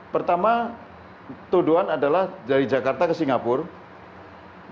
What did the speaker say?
pertama tuduhan adalah dari jakarta ke singapura